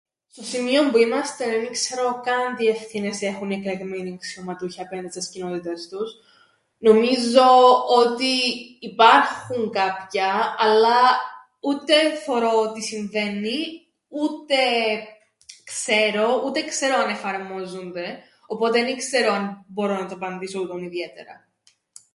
Στο σημείον που είμαστεν εν ι-ξέρω καν τι ευθύνες έχουν οι εκλεγμένοι αξιωματούχοι απέναντι στες κοινότητες τους, νομίζω ότι υπάρχουν κάποια, αλλά ούτε θωρώ τι συμβαίννει ούτε ξέρω, ούτε ξέρω αν εφαρμόζουνται, οπότε εν ι-ξέρω αν μπορώ να το απαντήσω τούτον ιδιαίτερα.